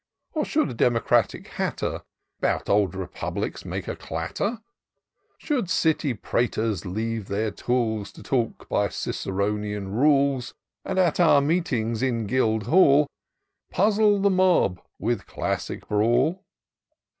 Or should a Democratic hatter 'Bout olcf republics make a clatter ? Should city Praters leave their tools. To talk by Ciceronian rules ; And at our meetings in Guildhall Puzzle the mob with classic brawl